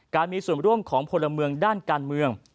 มีส่วนร่วมของพลเมืองด้านการเมือง